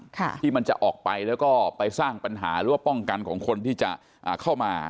ค่ะที่มันจะออกไปแล้วก็ไปสร้างปัญหาหรือว่าป้องกันของคนที่จะอ่าเข้ามา